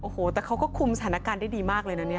โอ้โหแต่เขาก็คุมสถานการณ์ได้ดีมากเลยนะเนี่ย